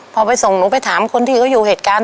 พอไปส่งหนูไปถามคนที่เขาอยู่เหตุการณ์